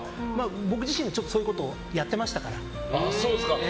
僕自身、そういうことをやってましたから。